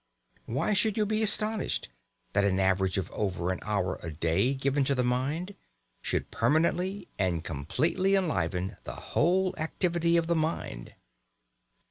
Why should you be astonished that an average of over an hour a day given to the mind should permanently and completely enliven the whole activity of the mind?